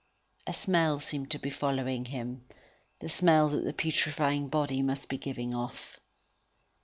A smell seemed to be following him, the smell that the putrefying body must be giving off.